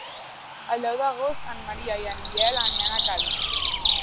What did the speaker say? El deu d'agost en Maria i en Biel aniran a Càlig.